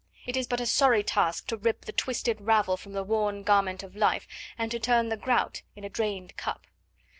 It is but a sorry task to rip the twisted ravel from the worn garment of life and to turn the grout in a drained cup.